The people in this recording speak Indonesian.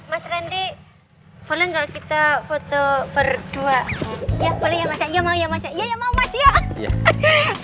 mas randi boleh nggak kita foto berdua ya boleh ya mas aja mau ya mas ya ya mau masih